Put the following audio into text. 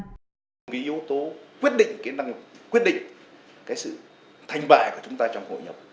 cái yếu tố quyết định quyết định cái sự thành bại của chúng ta trong hội nhập